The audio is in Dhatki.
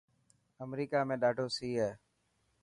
امريڪا ۾ڏاڌو سي هي.